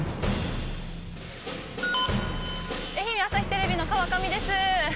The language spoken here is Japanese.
愛媛朝日テレビの川上です。